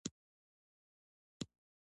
د افغانستان په منظره کې مزارشریف ښکاره ده.